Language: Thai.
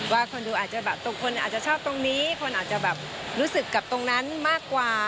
ว่าคนดูอาจจะแบบตรงคนอาจจะชอบตรงนี้คนอาจจะแบบรู้สึกกับตรงนั้นมากกว่า